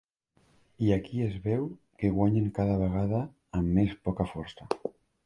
I aquí es veu que guanyen cada vegada amb més poca força.